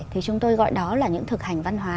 thì chúng tôi gọi đó là những thực hành văn hóa